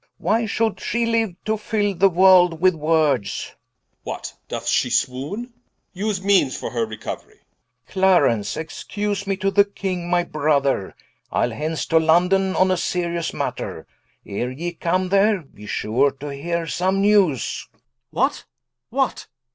Why should shee liue, to fill the World with words Edw. What? doth shee swowne? vse meanes for her recouerie Rich. Clarence excuse me to the King my Brother: Ile hence to London on a serious matter, Ere ye come there, be sure to heare some newes Cla. What? what?